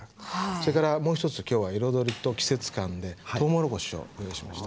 それからもう一つきょうは彩りと季節感でとうもろこしをご用意しました。